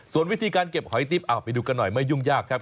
ส่วนวิธีการเก็บหอยติ๊บไปดูกันหน่อยไม่ยุ่งยากครับ